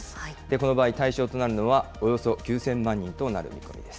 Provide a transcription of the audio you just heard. この場合、対象となるのは、およそ９０００万人となる見込みです。